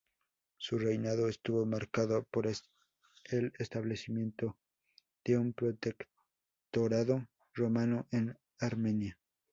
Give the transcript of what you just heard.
Su reinado estuvo marcado por el establecimiento de un protectorado romano en Armenia.